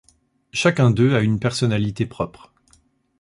Chacun d’eux a une personnalité propre.